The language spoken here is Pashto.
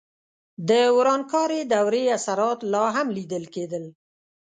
د ورانکارې دورې اثرات لا هم لیدل کېدل.